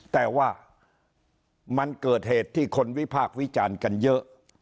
แต่ว่ามันเกิดเหตุที่คนวิพากษ์วิจารณ์กันเยอะ